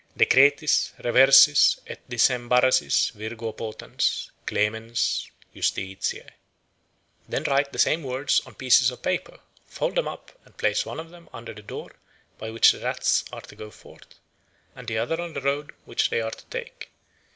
Decretis, reversis et desembarassis virgo potens, clemens, justitiae." Then write the same words on pieces of paper, fold them up, and place one of them under the door by which the rats are to go forth, and the other on the road which they are to take.